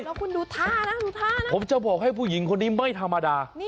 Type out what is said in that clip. แล้วคุณดูท่านะดูท่านะผมจะบอกให้ผู้หญิงคนนี้ไม่ธรรมดา